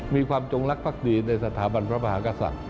มีความจงลักษณ์ภักดีในสถาบันพระพระภาคศักดิ์